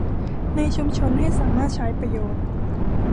ในชุมชนให้สามารถใช้ประโยชน์